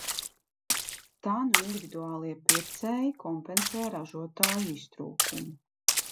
Tā nu individuālie pircēji kompensē ražotāju iztrūkumu.